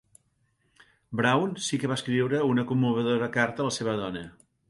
Brown sí que va escriure una commovedora carta a la seva dona.